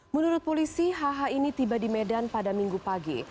menurut polisi hh ini tiba di medan pada minggu pagi